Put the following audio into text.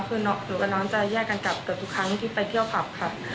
คือหนูกับน้องจะแยกกันกลับเกือบทุกครั้งที่ไปเที่ยวผับครับ